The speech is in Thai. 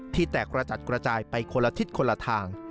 แตกกระจัดกระจายไปคนละทิศคนละทาง